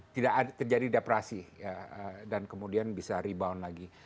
tidak terjadi depresi dan kemudian bisa rebound lagi